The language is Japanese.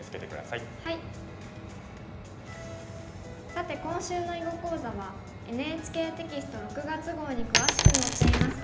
さて今週の囲碁講座はＮＨＫテキスト６月号に詳しく載っています。